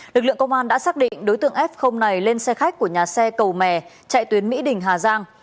lực lượng công an đã xác định đối tượng f này lên xe khách của nhà xe cầu mè chạy tuyến mỹ đình hà giang